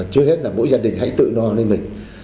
trước hết là mỗi gia đình hãy tự lo lên mình